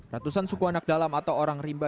ratusan suku anak dalam atau orang rimba